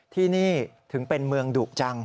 ที่นี่ถึงเป็นเมืองดุจัง